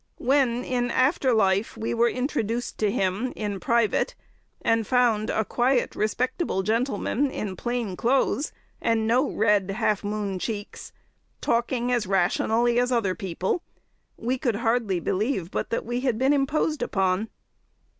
When, in after life, we were introduced to him, in private, and found a quiet, respectable gentleman, in plain clothes, and no red half moon cheeks, talking as rationally as other people, we could hardly believe but that we had been imposed upon.